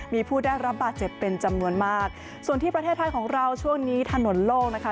มีผู้ได้รับบาดเจ็บเป็นจำนวนมากส่วนที่ประเทศไทยของเราช่วงนี้ถนนโลกนะคะ